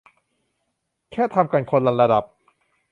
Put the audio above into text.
แค่ทำกันคนละระดับ